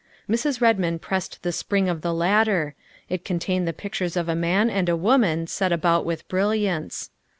Mrs. Redmond pressed the spring of the latter; it contained the pictures of a man and a woman set about with brilliants.